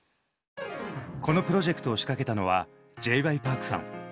このプロジェクトを仕掛けたのはＪ．Ｙ．Ｐａｒｋさん。